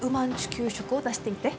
給食を出していて。